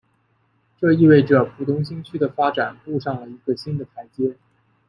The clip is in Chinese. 这意味着浦东新区的发展步上了一个新的台阶。